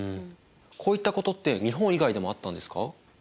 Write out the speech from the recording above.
こういったことって日本以外でもあったんですか？